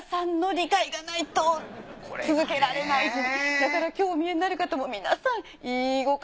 だから今日お見えになる方も皆さん。